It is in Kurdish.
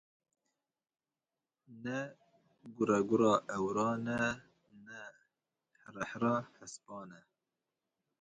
Ne guregura ewran e ne hirehira hespan e.